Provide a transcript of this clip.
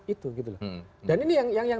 itu gitu loh dan ini yang